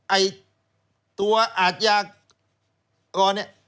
ไอ้ตัวอาจยากก่อน